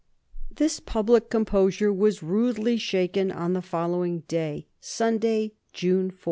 This public composure was rudely shaken on the following day, Sunday, June 4.